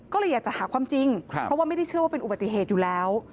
ก็เลยอยากจะหาความจริงเพราะว่าไม่ได้เชื่อว่าเป็นอุบัติเหตุอยู่แล้ว